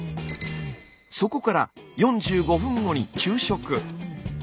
そこから４５分後に昼食。